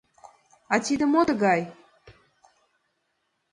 — А тиде мо тыгай?